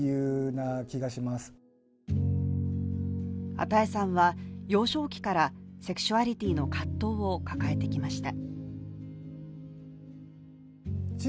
與さんは幼少期からセクシュアリティーの葛藤を抱えてきました。